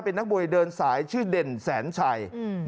เป็นนักมวยเดินสายชื่อเด่นแสนชัย